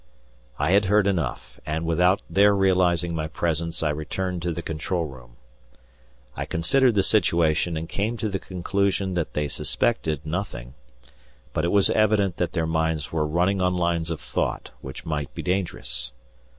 I had heard enough, and, without their realizing my presence, I returned to the control room. I considered the situation, and came to the conclusion that they suspected nothing, but it was evident that their minds were running on lines of thought which might be dangerous.